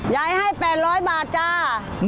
ย้ายให้๘๐๐บาทจ้า